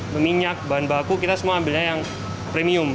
minyak bahan baku kita semua ambilnya yang premium